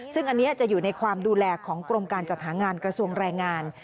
ซึ่งอันนี้อาจจะอยู่ในความดูแลของกรมการจัดหางานกระทรวงแรงงาน